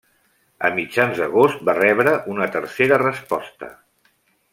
A mitjans d'agost va rebre una tercera resposta.